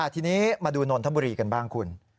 ทีนี้มาดูนนทบุรีกันบ้างคุณ